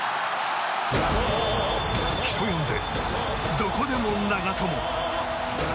人呼んで、どこでも長友。